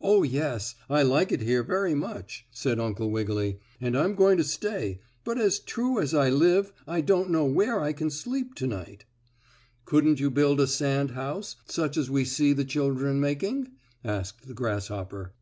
"Oh, yes, I like it here very much," said Uncle Wiggily, "and I'm going to stay, but as true as I live I don't know where I can sleep to night." "Couldn't you build a sand house, such as we see the children making?" asked the grasshopper.